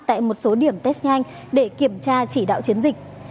tại một số điểm test nhanh để kiểm tra chỉ đạo chiến dịch